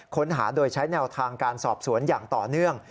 ค้นหาโดยใช้แนวทางการสอบสวนอย่างต่อเนื่อง